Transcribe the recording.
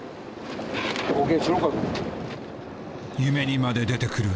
夢にまで出てくる